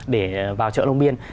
để vào chợ long biên